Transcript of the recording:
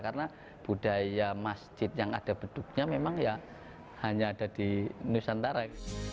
karena budaya masjid yang ada beduknya memang hanya ada di nusantara